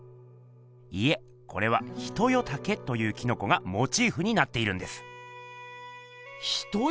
いえこれは「ヒトヨタケ」というキノコがモチーフになっているんです。